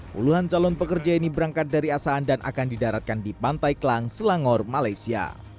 puluhan calon pekerja ini berangkat dari asahan dan akan didaratkan di pantai klang selangor malaysia